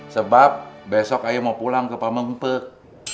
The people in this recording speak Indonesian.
sebab besok ayo mau pulang ke pamengpet